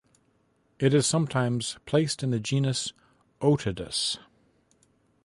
It is sometimes placed in the genus "Otodus".